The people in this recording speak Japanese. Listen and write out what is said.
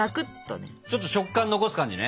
ちょっと食感残す感じね。